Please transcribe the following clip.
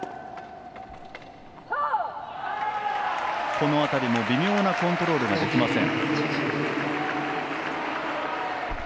この辺りも微妙なコントロールができません。